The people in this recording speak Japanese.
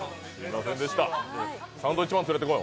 サンドウィッチマン連れてこい。